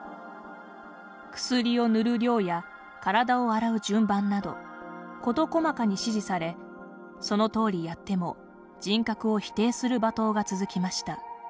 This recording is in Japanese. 薬を塗る量や、身体を洗う順番など、事細かに指示されその通りやっても人格を否定する罵倒が続きました。